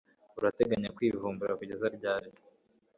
Urateganya kwivumbura kugeza ryari?